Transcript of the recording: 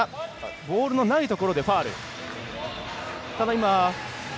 ボールのないところでファウル。